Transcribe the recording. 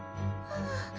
ああ。